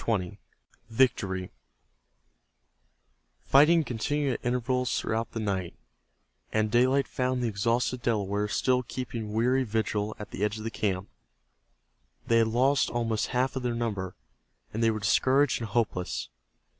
CHAPTER XX—VICTORY Fighting continued at intervals throughout the night, and daylight found the exhausted Delawares still keeping weary vigil at the edge of the camp. They had lost almost half of their number, and they were discouraged and hopeless.